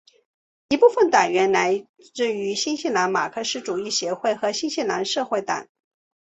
一部分党员来自于新西兰马克思主义协会和新西兰社会党。